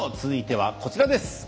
続いては、こちらです。